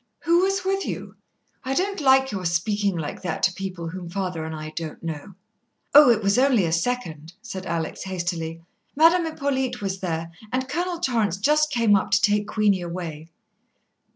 "Who was with you? I don't like your speakin' like that to people whom father and I don't know." "Oh, it was only a second," said Alex hastily. "Madame Hippolyte was there, and Colonel Torrance just came up to take Queenie away."